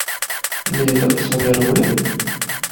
Layla ed Sami rewlen.